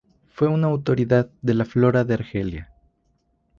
Fue una autoridad de la flora de Argelia.